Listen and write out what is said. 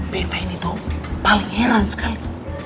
beta ini tuh paling heran sekali